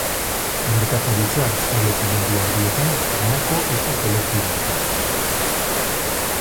Merkataritza-establezimendu handietan, banako eta kolektiboetan.